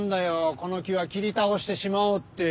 この樹は切り倒してしまおうって。